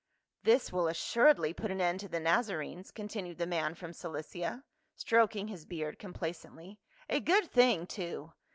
"This will assuredly put an end to the Nazarenes," continued the man from Cilicia, stroking his beard complacently, " a good thing too.